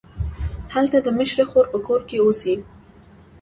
هلته د مشرې خور په کور کې اوسي.